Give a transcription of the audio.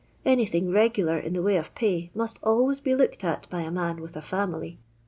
Anything regular in the way of pay must always be looked at by a man with a &mily.